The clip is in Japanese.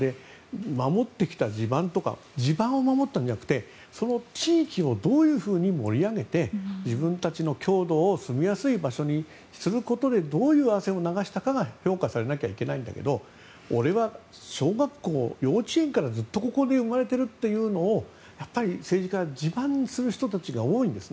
守ってきた地盤とか地盤を守ったのではなくてその地域をどういうふうに盛り上げて自分たちの郷土を住みやすい場所にすることでどういう汗を流したかが評価されなくてはいけないんだけど俺は小学校、幼稚園からずっとここに生まれてるというのをやっぱり、政治家は地盤にする人たちが多いんです。